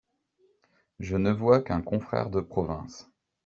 Je ne vois qu’un confrère de province…